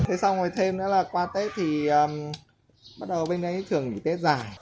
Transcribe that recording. thế xong rồi thêm nữa là qua tết thì bắt đầu bên đây thường bị tết dài